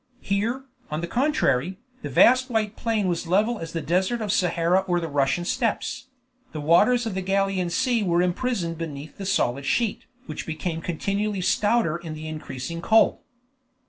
Here, on the contrary, the vast white plain was level as the desert of Sahara or the Russian steppes; the waters of the Gallian Sea were imprisoned beneath the solid sheet, which became continually stouter in the increasing cold.